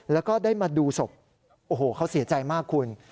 แล้วก็ได้มาดูศพโอ้โหเขาเสียใจมากคุณ